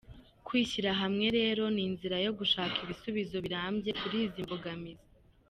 Kwishyira hamwe rero ni inzira yo gushaka ibisubizo birambye kuri izi mbogamizi.